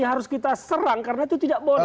harus kita serang karena itu tidak boleh